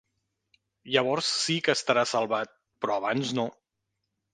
Llavors sí que estarà salvat, però abans no.